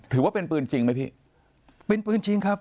ถือว่าเป็นปืนจริงไหมพี่เป็นปืนจริงครับ